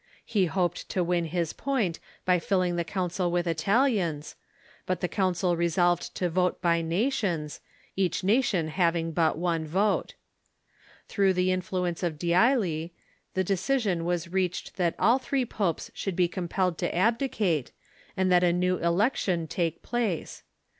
He hoped to win his point by filling the Council with Italians, but the Constance Council resolved to vote by nations, each nation hav ing but one vote. Through the influence of D'Ailly, the decision was reached that all three popes should be com pelled to abdicate, and that a new election take place.